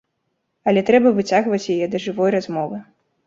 Але трэба выцягваць яе да жывой размовы.